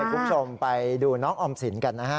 คุณผู้ชมไปดูน้องออมสินกันนะฮะ